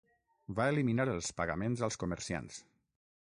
Va eliminar els pagaments als comerciants.